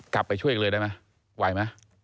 กลับไปช่วยอีกเลยได้ไหมไหวไหม